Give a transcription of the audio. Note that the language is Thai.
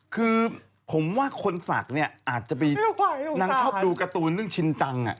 คือผมว่าคนศักดิ์เนี่ยอาจจะไปนางชอบดูการ์ตูนเรื่องชินจัง